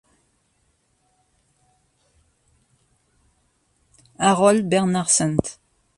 Harold Bernard St.